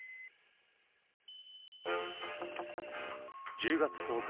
１０月１０日